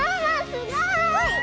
すごい！